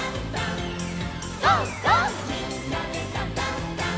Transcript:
「みんなでダンダンダン」